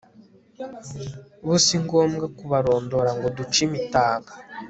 bo singombwa kubarondora ngo duce imitaga